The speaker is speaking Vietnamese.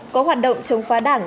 có hoạt động chống phá đảng